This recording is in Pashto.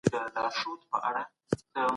ښوونکی د زدهکوونکو سره د صمیمیت فضا جوړوي.